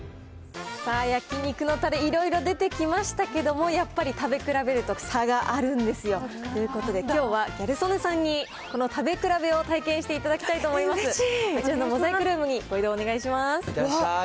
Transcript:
さあ、焼肉のたれ、いろいろ出てきましたけども、やっぱり食べ比べると差があるんですよ。ということで、きょうはギャル曽根さんに、この食べ比べを体験していただきたいと思います。